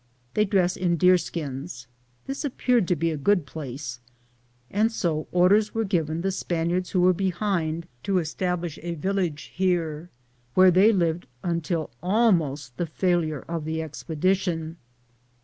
They dress in deerskins, j This appeared to be a good place, and bo orders were given the Spaniards who were behind to establish a village here, where they lived until almost the failure of the expedi tion.